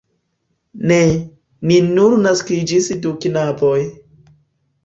Ne! Ni nur naskiĝis du knaboj!